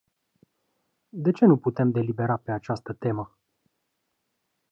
De ce nu putem delibera pe această temă?